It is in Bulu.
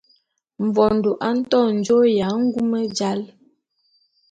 Mvondo a nto njôô ya ngume jal.